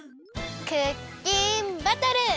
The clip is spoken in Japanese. クッキンバトル。